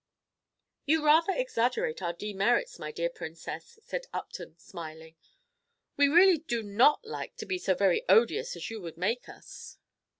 "You rather exaggerate our demerits, my dear Princess," said Upton, smiling. "We really do not like to be so very odious as you would make us."